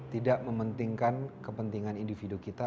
tidak mementingkan kepentingan individu kita